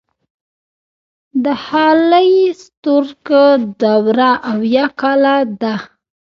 د هالی ستورک دوره اويا کاله ده.